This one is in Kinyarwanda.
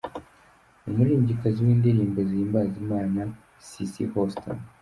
n’umuririmbyikazi w’indirimbo zihimbaza Imana Cissy Houston.